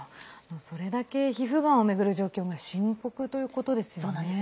それだけ皮膚がんを巡る状況が深刻ということですよね。